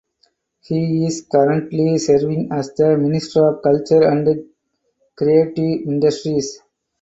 He is currently serving as the Minister of Culture and Creative Industries.